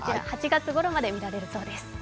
８月末ごろまで見られるそうです。